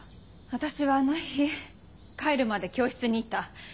私はあの日帰るまで教室にいた。